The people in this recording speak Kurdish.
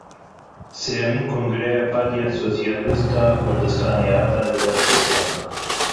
Sêyemîn kongreya Partiya Sosyalîst a Kurdistanê hat lidarxistin.